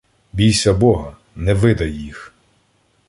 Бійся Бога — не видай їх.